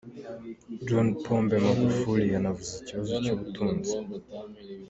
John Pombe Magufuli yanavuze ikibazo cy’ubutunzi.